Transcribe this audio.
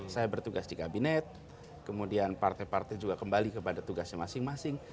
saya bertugas di kabinet kemudian partai partai juga kembali kepada tugasnya masing masing